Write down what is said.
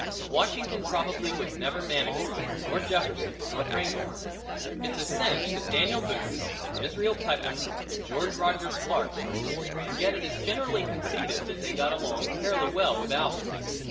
Washington probably was never manicured nor Jefferson nor Franklin; it's a cinch that Daniel Boone and Israel Putnam and George Rogers Clark weren't and yet it is generally conceded that they got along fairly well without it.